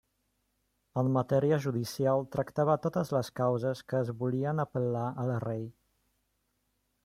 En matèria judicial tractava totes les causes que es volien apel·lar al rei.